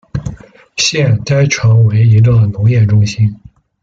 现该城为一个农业中心。